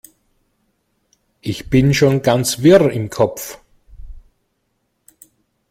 Ich bin schon ganz wirr im Kopf.